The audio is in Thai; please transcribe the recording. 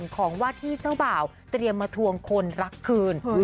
ของว่าที่เจ้าบ่าวเตรียมมาทวงคนรักคืน